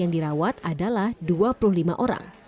yang dirawat adalah dua puluh lima orang